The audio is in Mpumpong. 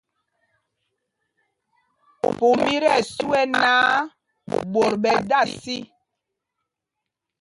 Pum i tí ɛsu ɛ náǎ, ɓot ɓɛ da sí.